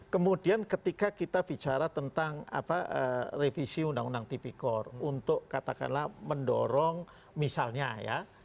kemudian ketika kita bicara tentang revisi undang undang tipikor untuk katakanlah mendorong misalnya ya